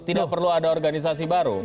tidak perlu ada organisasi baru